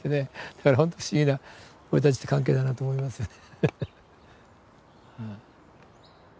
だからほんと不思議な俺たちって関係だなと思いますよね。